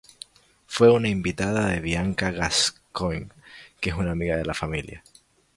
Fue una invitada de Bianca Gascoigne, que es una amiga de la familia.